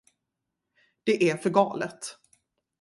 Det är för galet.